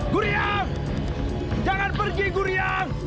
gurian jangan pergi gurian